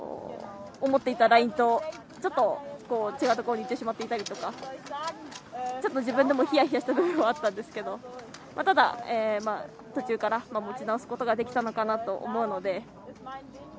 思っていたラインとちょっと違うところに行ってしまったりとかちょっと自分でもひやひやした部分はあったんですけどただ、途中から持ち直すことができたのかなと思うので。